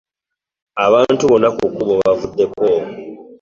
Abantu bonna ku kkubo bavuddeko.